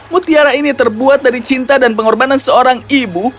mutiara ini terbuat dari cinta dan pengorbanan seorang ibu